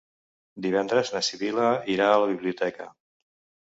Divendres na Sibil·la irà a la biblioteca.